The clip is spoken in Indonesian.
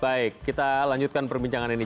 baik kita lanjutkan perbincangan ini